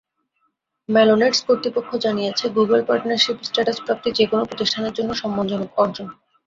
মেলোনেডস কর্তৃপক্ষ জানিয়েছে, Google partnership status প্রাপ্তি যেকোনো প্রতিষ্ঠানের জন্য সম্মানজনক অর্জন।